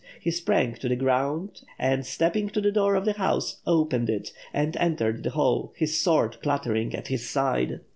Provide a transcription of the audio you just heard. He sprang to the ground and, stepping to the door of the house, opened it, and entered the hall, his sword clattering at his side.